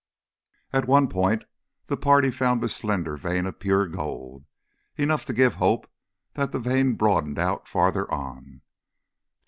At one point the party found a slender vein of pure gold, enough to give hope that the vein broadened out farther on.